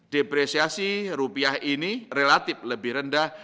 depresiasi rupiah ini relatif lebih rendah